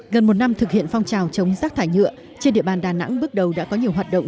gần một năm thực hiện phong trào chống rác thải nhựa trên địa bàn đà nẵng bước đầu đã có nhiều hoạt động